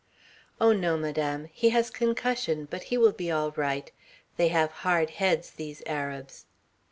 "Oh no, Madame. He has concussion but he will be all right. They have hard heads, these Arabs."